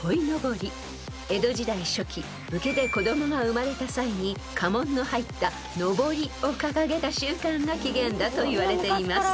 ［江戸時代初期武家で子供が生まれた際に家紋の入ったのぼりを掲げた習慣が起源だといわれています］